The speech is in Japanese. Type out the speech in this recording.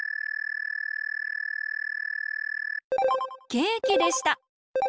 ケーキでした！